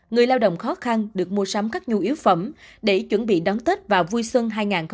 người lao động khó khăn được mua sắm các nhu yếu phẩm để chuẩn bị đón tết và vui xuân hai nghìn hai mươi bốn